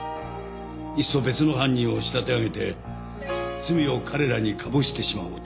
いっそ別の犯人を仕立て上げて罪を彼らに被せてしまおうと。